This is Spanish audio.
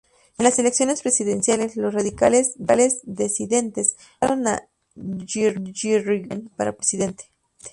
En las elecciones presidenciales, los radicales disidentes votaron a Yrigoyen para presidente.